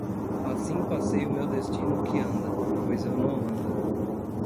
Assim passei o meu destino que anda, pois eu não ando;